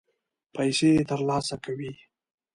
پیسې ترلاسه کوي.